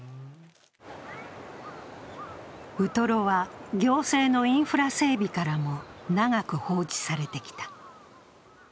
ウトロは行政のインフラ整備からも長く放置されてきた。